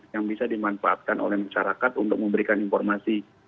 yang bisa dimanfaatkan oleh masyarakat untuk memberikan informasi